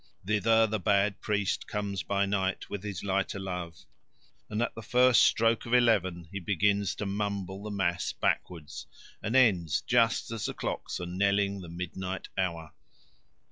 Thither the bad priest comes by night with his light o' love, and at the first stroke of eleven he begins to mumble the mass backwards, and ends just as the clocks are knelling the midnight hour.